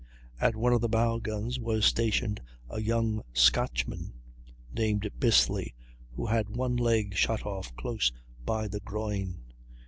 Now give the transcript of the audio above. At one of the bow guns was stationed a young Scotchman, named Bissly, who had one leg shot off close by the groin.